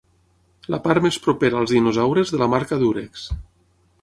La part més propera als dinosaures de la marca Dúrex.